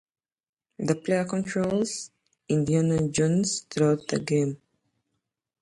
The player controls Indiana Jones throughout the game.